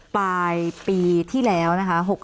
ปลายปีที่แล้วนะคะ